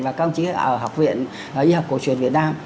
và các ông chí ở học viện y học cổ truyền việt nam